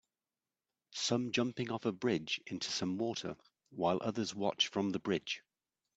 Some jumping off a bridge into some water while others watch from the bridge.